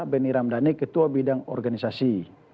benny ramdhani ketua bidang organisasi